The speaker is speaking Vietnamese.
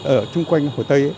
ở trung quanh hồ tây